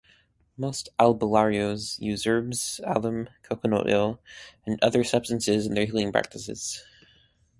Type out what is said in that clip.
Most albularyos use herbs, alum, coconut oil, and other substances in their healing practices.